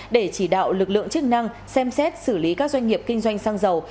để chỉ đạo lực lượng chức năng xem xét xử lý các doanh nghiệp kinh doanh xăng dầu